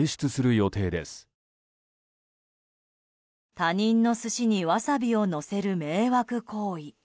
他人の寿司にワサビをのせる迷惑行為。